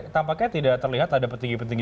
tampaknya tidak terlihat ada petinggi petinggi